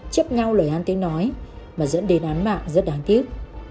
chấp nhau lời hắn tiếng nói mà dẫn đến án mạng rất đáng tiếc